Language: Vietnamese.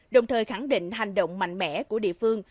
đồng thời khẳng định hành động mạnh mẽ của địa phương